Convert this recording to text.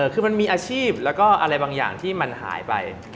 คือมันมีอาชีพแล้วก็อะไรบางอย่างที่มันหายไป